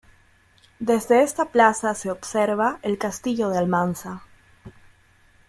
Desde esta plaza se observa el castillo de Almansa.